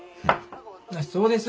そうです。